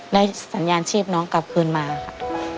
ได้สัญญาณชีพน้องกลับคืนมาค่ะ